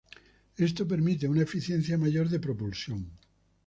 Esto permite una eficiencia mayor de propulsión.